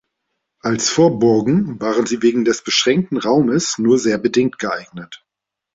Als Vorburgen waren sie wegen des beschränkten Raumes nur sehr bedingt geeignet.